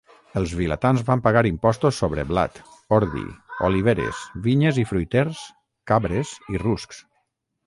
Els vilatans van pagar impostos sobre blat, ordi, oliveres, vinyes i fruiters, cabres i ruscs.